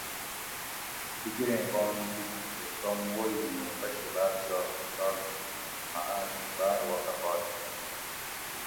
ڈِگیریں بانگ دِت تے توم ووئ مُوں پشی باٞر زیات خوشال ہُو کِیکوں مٞہ آٞک دی باٞر وخہ باد لِیش